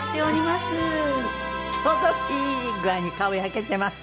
ちょうどいい具合に顔焼けてますね。